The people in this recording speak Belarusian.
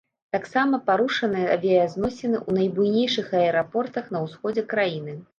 Таксама парушаныя авіязносіны ў найбуйнейшых аэрапортах на ўсходзе краіны.